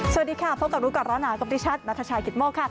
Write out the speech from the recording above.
สวัสดีครับพบกับลุกรรมร้อนหากรมนิชชัฎนัทชายกิดโมกค่ะ